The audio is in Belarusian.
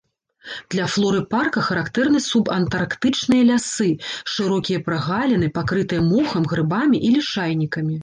Для флоры парка характэрны субантарктычныя лясы, шырокія прагаліны, пакрытыя мохам, грыбамі і лішайнікамі.